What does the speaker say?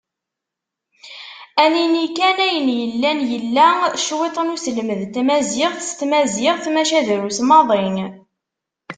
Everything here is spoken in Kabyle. Ad nini kan ayen yellan, yella cwiṭ n uselmed n tmaziɣt s tmaziɣt, maca drus maḍi.